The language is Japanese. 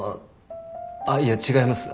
あっいや違います。